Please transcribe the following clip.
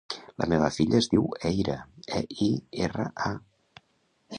La meva filla es diu Eira: e, i, erra, a.